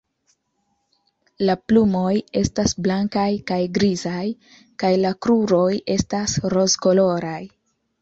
La plumoj estas blankaj kaj grizaj kaj la kruroj estas rozkoloraj.